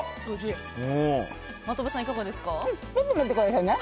真飛さん、いかがですか。